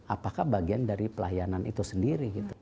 apakah bagian dari pelayanan itu sendiri